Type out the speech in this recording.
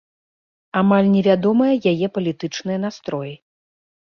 Амаль невядомыя яе палітычныя настроі.